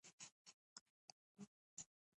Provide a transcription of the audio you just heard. د پوهنتون دوره د زده کړې زرین چانس دی.